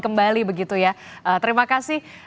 kembali begitu ya terima kasih